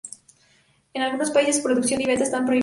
En algunos países su producción y venta están prohibidas.